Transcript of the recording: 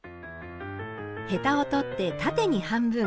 ヘタを取って縦に半分。